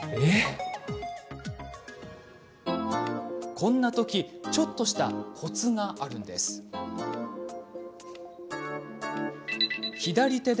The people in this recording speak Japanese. こんなときちょっとしたコツがあるそうで。